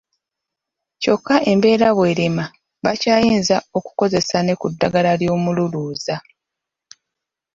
Kyokka embeera bw'erema bakyayinza okukozesa ne ku ddagala ly'omululuuza.